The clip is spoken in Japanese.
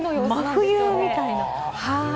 真冬みたいな。